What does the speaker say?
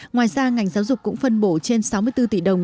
ngoài ra ngành giáo dục cũng phân bổ trên sáu mươi bốn tỷ đồng